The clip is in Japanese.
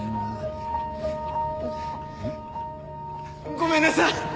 ごめんなさい！